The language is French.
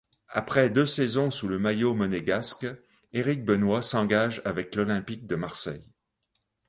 Après deux saisons sous le maillot monégasque, Éric Benoit s'engage avec l'Olympique de Marseille.